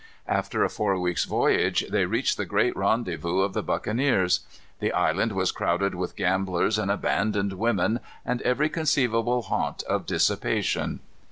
After a four weeks' voyage they reached the great rendezvous of the buccaneers. The island was crowded with gamblers and abandoned women, and every conceivable haunt of dissipation.